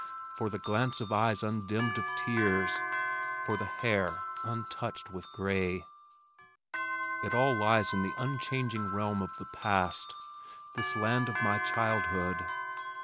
For the glance of eyes undimmed of tears, for the hair untouched with gray? It all lies in the unchanging realm of the past this land of my childhood.